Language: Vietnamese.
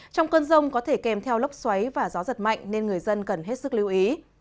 trong cơn rông có thể kèm theo lốc xoáy và gió giật mạnh nên người dân cần hết sức lưu ý